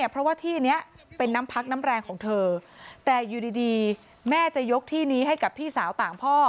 เพราะว่าที่นี้เป็นน้ำพักน้ำแรงของเธอแต่อยู่ดีแม่จะยกที่นี้ให้กับพี่สาวต่างพ่อ